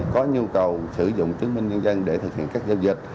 có nhu cầu sử dụng chứng minh nhân dân để thực hiện các giao dịch